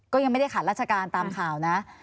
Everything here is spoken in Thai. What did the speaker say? ก็ยังไม่ได้ขาดราชการตามข่าวนะ